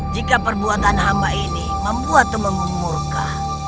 jika perbuatan hamba ini membuat tumenggung murka